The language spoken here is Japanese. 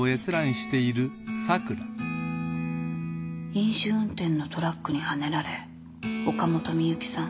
飲酒運転のトラックにはねられ岡本深雪さん